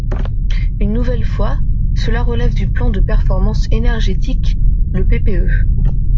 Une nouvelle fois, cela relève du plan de performance énergétique, le PPE.